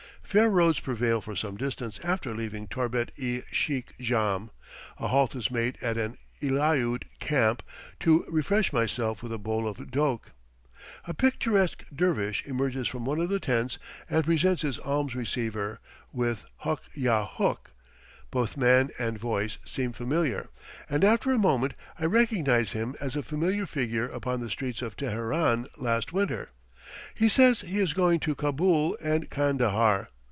Fair roads prevail for some distance after leaving Torbet i Sheikh Jahm; a halt is made at an Eliaute camp to refresh myself with a bowl of doke. A picturesque dervish emerges from one of the tents and presents his alms receiver, with "huk yah huk." Both man and voice seem familiar, and after a moment I recognize him as a familiar figure upon the streets of Teheran last winter. He says he is going to Cabool and Kandahar.